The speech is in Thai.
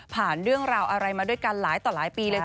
เรื่องราวอะไรมาด้วยกันหลายต่อหลายปีเลยค่ะ